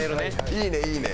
いいねいいね！